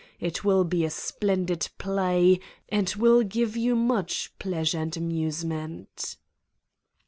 It will be a splendid play and will give you much pleasure and amusement.